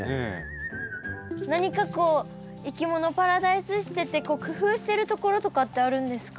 何かこういきものパラダイスしてて工夫してるところとかってあるんですか？